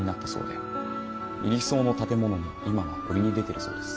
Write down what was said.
入日荘の建物も今は売りに出てるそうです。